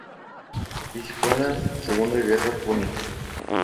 Participó en la segunda guerra púnica.